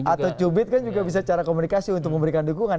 atau cubit kan juga bisa cara komunikasi untuk memberikan dukungan